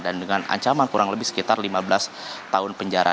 dan dengan ancaman kurang lebih sekitar lima belas tahun penjara